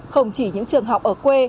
không chỉ những trường học ở quê